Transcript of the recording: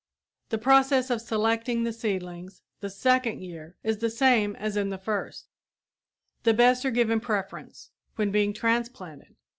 The process of selecting the seedlings the second year is the same as in the first; the best are given preference, when being transplanted.